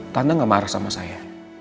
tanda gak marah sama saya